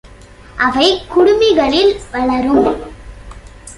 அவை குடுமி்களில் வளரும்.